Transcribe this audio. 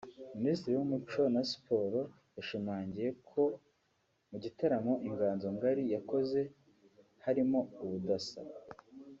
Minisitiri w’Umuco na Siporo yashimangiye ko mu gitaramo Inganzo Ngari yakoze harimo ‘ubudasa’